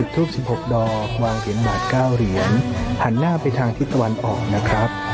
ทูป๑๖ดอกวางเหรียญบาท๙เหรียญหันหน้าไปทางทิศตะวันออกนะครับ